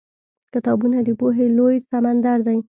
کتابونه د پوهې لوی سمندر دی.